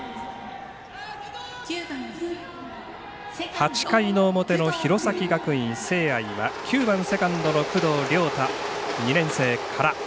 ８回の表の弘前学院聖愛は９番セカンドの工藤遼大２年生から。